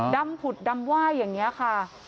อ๋อดำผุดดำว่ายอย่างเงี้ยค่ะ